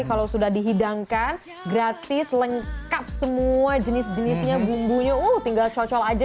kalau sudah dihidangkan gratis lengkap semua jenis jenisnya bumbunya uh tinggal cocok aja